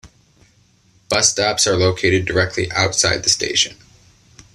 Bus stops are located directly outside the station.